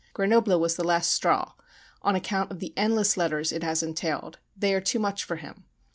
Grenoble was the last straw, on account of the endless letters it has entailed; they are too much for him.